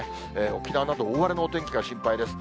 沖縄など大荒れのお天気が心配です。